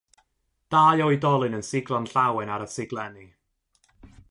Dau oedolyn yn siglo'n llawen ar y siglenni.